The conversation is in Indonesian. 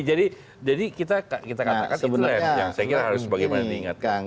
jadi kita katakan itu lah yang harus saya ingatkan